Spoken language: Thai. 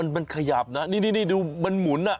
มันขยับนะนี่ดูมันหมุน